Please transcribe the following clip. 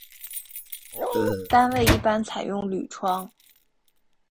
单位一般采用铝窗。